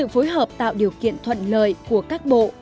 phối hợp tạo điều kiện thuận lợi của các bộ